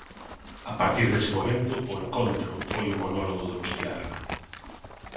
A partir dese momento o encontro foi un monólogo donostiarra.